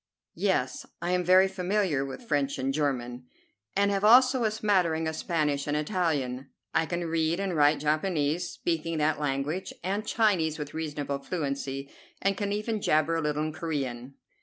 "Yes, I am very familiar with French and German, and have also a smattering of Spanish and Italian. I can read and write Japanese, speaking that language and Chinese with reasonable fluency, and can even jabber a little in Corean."